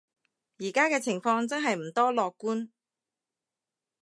而家嘅情況真係唔多樂觀